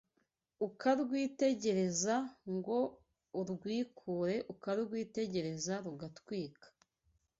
Ukarwitegereza ngo urwikure Ukarwitegereza rugatwika